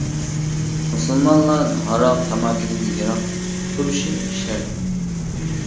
مۇسۇلمانلار ھاراق، تاماكىدىن يىراق تۇرۇشى شەرت.